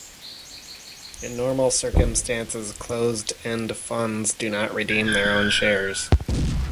In normal circumstances, closed-end funds do not redeem their own shares.